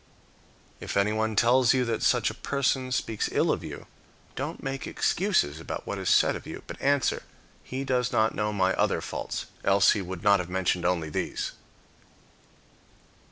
If anyone tells you that such a person speaks ill of you, don't make excuses about what is said of you, but answer: " He does not know my other faults, else he would not have mentioned only these."